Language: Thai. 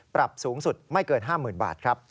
ปรับสูงสุดไม่เกิน๕๐๐๐บาทครับ